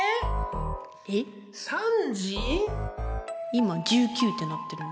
今１９ってなってるね。